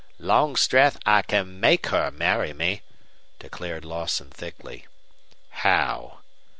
"Longstreth, I can MAKE her marry me," declared Lawson, thickly. "How?"